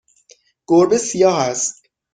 گربه سیاه است.